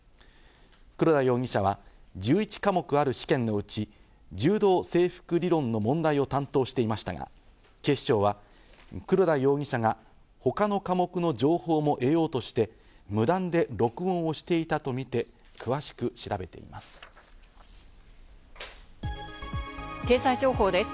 黒田容疑者は１１科目ある試験のうち、柔道整復理論の問題を担当していましたが、警視庁は黒田容疑者が他の科目の情報も得ようとして無断で録音をしていたとみて詳しく調べています。